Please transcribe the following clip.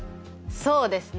そうですね！